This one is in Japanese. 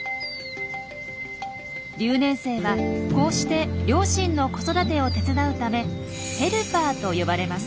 留年生はこうして両親の子育てを手伝うため「ヘルパー」と呼ばれます。